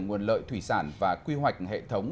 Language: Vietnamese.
nguồn lợi thủy sản và quy hoạch hệ thống